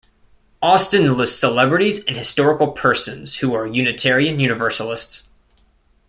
Austin lists celebrities and historical persons who are Unitarian-Universalists.